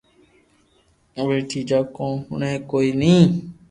ٻيئي جا ڪون ھوڻي ڪوئي ني